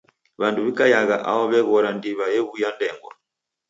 W'andu w'ikaiagha aho w'aghora ndiwa ew'uya ndengwa.